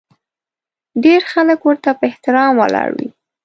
ډېر خلک ورته په احترام ولاړ وي.